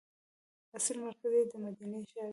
اصلي مرکز یې د مدینې ښار و.